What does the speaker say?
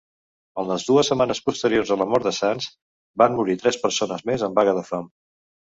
En les dues setmanes posteriors a la mort de Sands, van morir tres persones més en vaga de fam.